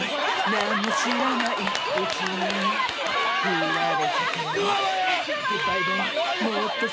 何も知らないうちに振られちゃってよ